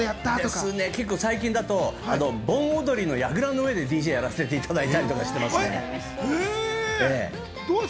最近だと盆踊りのやぐらの上でＤＪをやらせていただいたりとかしています。